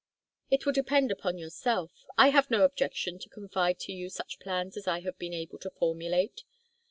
"It will depend upon yourself. I have no objection to confide to you such plans as I have been able to formulate.